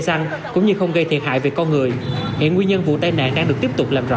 xăng cũng như không gây thiệt hại về con người hiện nguyên nhân vụ tai nạn đang được tiếp tục làm rõ